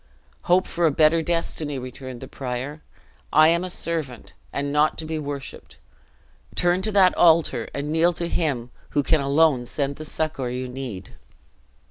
"Hope for a better destiny," returned the prior; "I am a servant, and not to be worshiped; turn to that altar, and kneel to Him who can alone send the succor you need!"